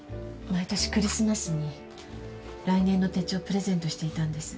毎年クリスマスに来年の手帳プレゼントしていたんです。